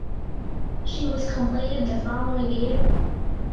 She was completed the following year.